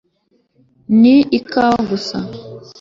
ni ikawa gusa